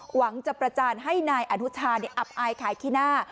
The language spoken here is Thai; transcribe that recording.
หวังจะประจานให้นายอนุชาอับอายขายขี้หน้า